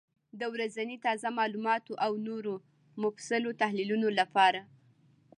د ورځني تازه معلوماتو او نورو مفصلو تحلیلونو لپاره،